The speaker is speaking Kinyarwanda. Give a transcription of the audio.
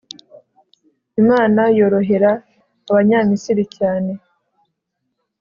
Imana yorohera Abanyamisiri cyane